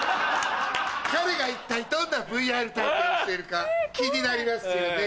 彼が一体どんなＶＲ体験をしているか気になりますよね。